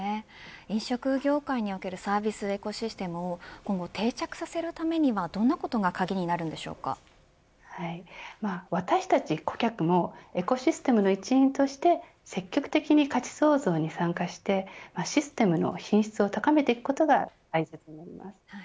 飲食業界におけるサービス・エコシステムを今後、定着させるためにはどんなことが私たち顧客もエコシステムの一員として積極的に価値創造に参加して、システムの品質を高めていくことが大切になります。